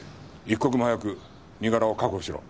一刻も早く身柄を確保しろ。